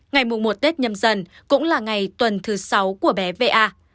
ngày mùng một tết nhâm dân cũng là ngày tuần thứ sáu của bé v a